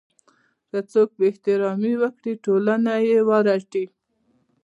که څوک بې احترامي وکړي ټولنه یې ورټي.